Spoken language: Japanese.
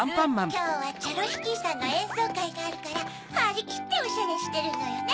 きょうはチェロヒキーさんのえんそうかいがあるからはりきってオシャレしてるのよね